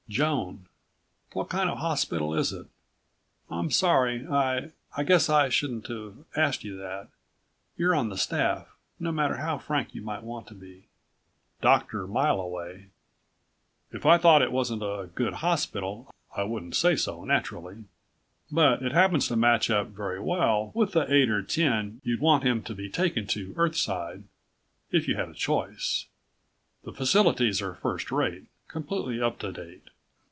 Joan: What kind of a hospital is it? I'm sorry, I ... I guess I shouldn't have asked you that. You're on the staff. No matter how frank you might want to be.... Doctor Mile Away: If I thought it wasn't a good hospital I wouldn't say so, naturally. But it happens to match up very well with the eight or ten you'd want him to be taken to Earthside, if you had a choice. The facilities are first rate, completely up to date.